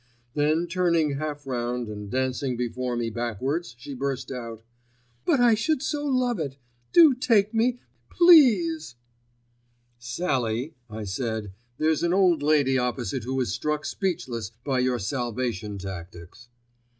Then turning half round and dancing before me backwards, she burst out, "But I should so love it. Do take me, pleeeeeeeeease." "Sallie," I said, "there's an old lady opposite who is struck speechless by your salvation tactics."